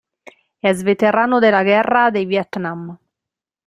Es veterano de la guerra de Vietnam.